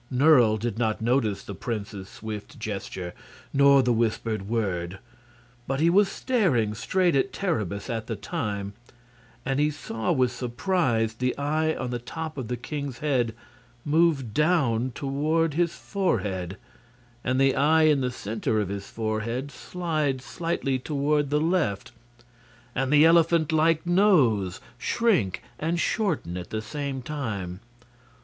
Nerle did not notice the prince's swift gesture nor the whispered word; but he was staring straight at Terribus at the time, and he saw with surprise the eye on the top of the king's head move down toward his forehead, and the eye in the center of his forehead slide slightly toward the left, and the elephant like nose shrink and shorten at the same time.